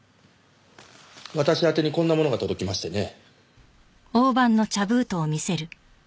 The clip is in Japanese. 私宛てにこんなものが届きましてね。